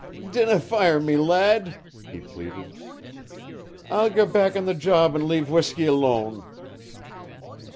"Dinna fire me, lad," he pleaded. "I'll gae back on the job an' leave whusky alone."